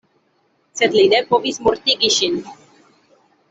Sed li ne povis mortigi ŝin.